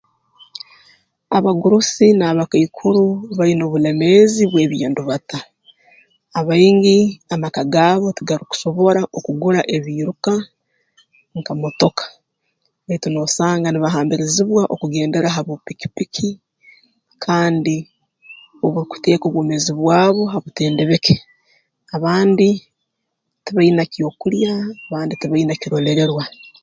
Abagurusi n'abakaikuru baine obulemeezi bw'eby'endubata abaingi amaka gaabo tigarukusobora okugura ebiiruka nka motoka baitu noosanga nibahambirizibwa okugendera ha bupikipiki kandi obukuteeka obwomeezi bwabo habutendebeke abandi tibaina kyokulya abandi tibaina kirolererwa